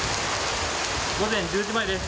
午前１０時前です。